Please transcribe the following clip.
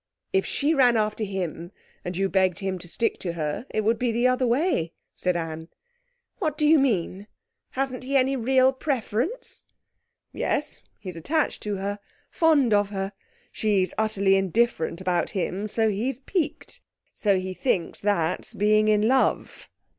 'If she ran after him, and you begged him to stick to her, it would be the other way,' said Anne. 'What do you mean? Hasn't he any real preference?' 'Yes. He's attached to her, fond of her. She's utterly indifferent about him, so he's piqued. So he thinks that's being in love.'